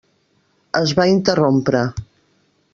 Es va interrompre.